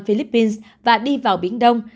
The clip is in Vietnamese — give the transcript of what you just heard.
philippines và đi vào biển đông